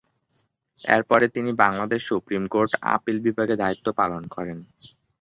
এরপরে তিনি Bangladesh supreme court, appeal বিভাগে দায়িত্ব পালন করেন।